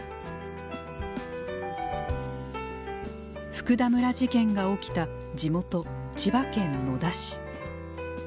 福田村事件が起きた地元千葉県野田市。